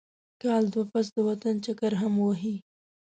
کال دوه پس د وطن چکر هم وهي.